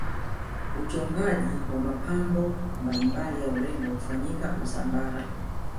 uchongaji wa mapambo mbalimbali ya urembo hufanyika usambara